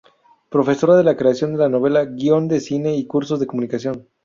Profesora de Creación de Novela, Guion de Cine y Cursos de Comunicación.